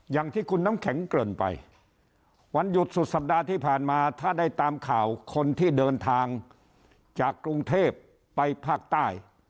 อย่างที่คุณน้ำแข็งเกริ่นไปวันหยุดสุดสัปดาห์ที่ผ่านมาถ้าได้ตามข่าวคนที่เดินทางจากกรุงเทพไปภาคใต้